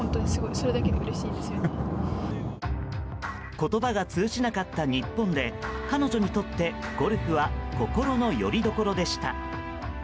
言葉が通じなかった日本で彼女にとってゴルフは心のよりどころでした。